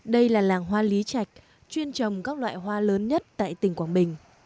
đây là làng hoa lý trạch chuyên trồng các loại hoa lớn nhất tại tỉnh quảng bình